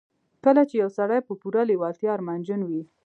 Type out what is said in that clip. کله چې يو سړی په پوره لېوالتیا ارمانجن وي.